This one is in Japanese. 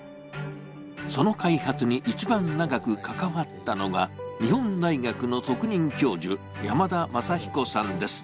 その開発に一番長く関わったのが日本大学の特任教授、山田昌彦さんです。